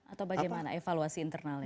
atau bagaimana evaluasi internalnya